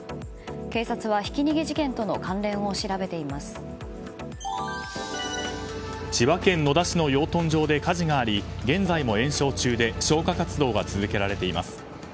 警察は、ひき逃げ事件との関連を千葉県野田市の養豚場で火事があり現在も延焼中で消火活動が続けられています。